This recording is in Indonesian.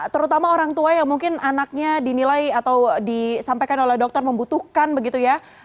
terutama orang tua yang mungkin anaknya dinilai atau disampaikan oleh dokter membutuhkan begitu ya